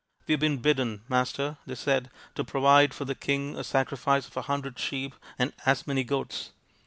"We have been bidden, Master," they said, " to provide for the king a sacrifice of a hundred sheep and as many goats."